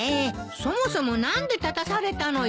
そもそも何で立たされたのよ？